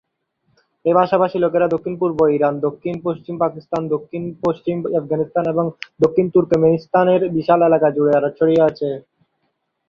এই ভাষাভাষী লোকেরা দক্ষিণ-পূর্ব ইরান, দক্ষিণ-পশ্চিম পাকিস্তান, দক্ষিণ-পশ্চিম আফগানিস্তান, এবং দক্ষিণ তুর্কমেনিস্তান এর এক বিশাল এলাকা জুড়ে ছড়িয়ে আছেন।